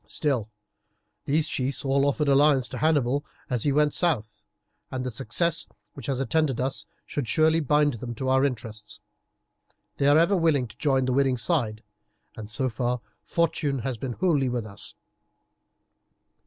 Still, these chiefs all offered alliance to Hannibal as he went south, and the success which has attended us should surely bind them to our interests. They are ever willing to join the winning side, and so far fortune has been wholly with us."